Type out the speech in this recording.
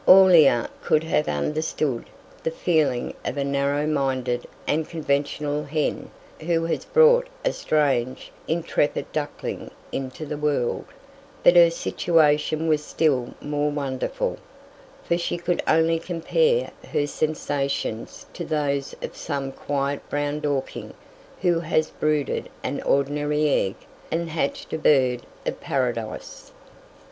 Aurelia could have understood the feeling of a narrow minded and conventional hen who has brought a strange, intrepid duckling into the world; but her situation was still more wonderful, for she could only compare her sensations to those of some quiet brown Dorking who has brooded an ordinary egg and hatched a bird of paradise.